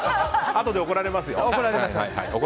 あとで怒られますよ。